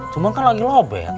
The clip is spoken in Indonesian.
cuman kan lagi lobek